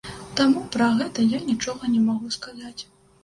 Таму пра гэта я нічога не магу сказаць.